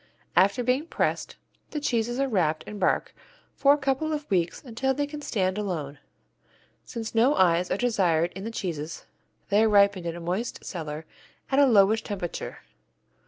After being pressed, the cheeses are wrapped in bark for a couple of weeks until they can stand alone. Since no eyes are desired in the cheeses, they are ripened in a moist cellar at a lowish temperature.